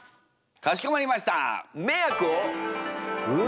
かしこまりました！